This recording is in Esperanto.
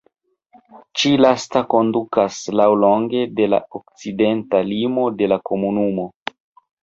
Ĉi-lasta kondukas laŭlonge de la okcidenta limo de la komunumo.